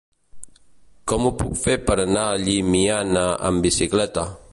Com ho puc fer per anar a Llimiana amb bicicleta?